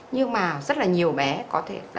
nhưng mà rất là nhiều bé có thể